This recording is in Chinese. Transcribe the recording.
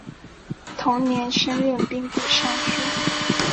同年升任兵部尚书。